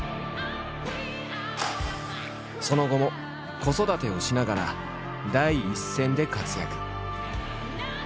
その後も子育てをしながら第一線で活躍。